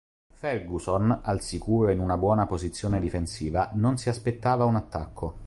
Ferguson, al sicuro in una buona posizione difensiva, non si aspettava un attacco.